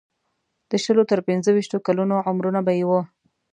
د شلو تر پنځه ویشتو کلونو عمرونه به یې وو.